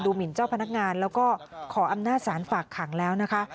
หมินเจ้าพนักงานแล้วก็ขออำนาจสารฝากขังแล้วนะคะ